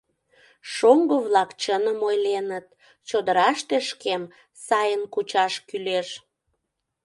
Шоҥго-влак чыным ойленыт: чодыраште шкем сайын кучаш кӱлеш.